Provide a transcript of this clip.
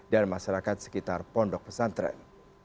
dan masyarakat sekitar pondok pesantren